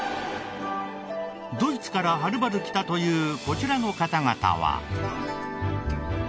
ドイツからはるばる来たというこちらの方々は。